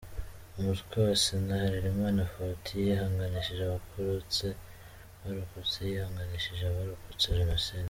Umutwe wa Sena, Harerimana Fatou, yihanganisha abarokotse, yihanganisha abarokotse Jenoside.